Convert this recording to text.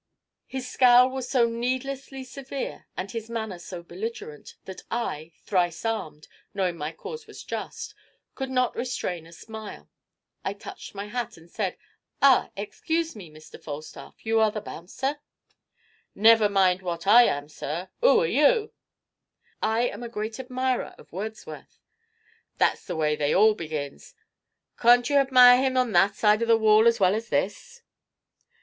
His scowl was so needlessly severe and his manner so belligerent that I thrice armed, knowing my cause was just could not restrain a smile. I touched my hat and said, "Ah, excuse me, Mr. Falstaff, you are the bouncer?" "Never mind wot I am, sir 'oo are you?" "I am a great admirer of Wordsworth " "That's the way they all begins. Cawn't ye hadmire 'im on that side of the wall as well as this?"